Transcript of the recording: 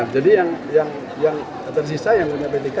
jadi yang tersisa yang punya p tiga tinggal satu